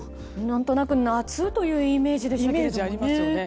何となく、夏というイメージでしたけどもね。